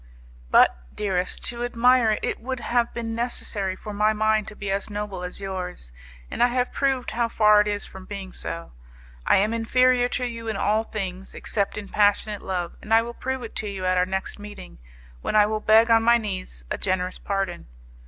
But, dearest, to admire it it would have been necessary for my mind to be as noble as yours, and I have proved how far it is from being so. I am inferior to you in all things, except in passionate love, and I will prove it to you at our next meeting, when I will beg on my knees a generous pardon.